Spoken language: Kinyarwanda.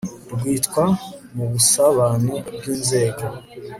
rwitwa mu busabane bw inzego